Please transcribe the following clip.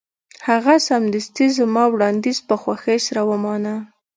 هغه سمدستي زما وړاندیز په خوښۍ سره ومانه